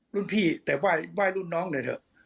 รุ่นพี่แต่ไหว้รุ่นน้องหน่อยเถอะ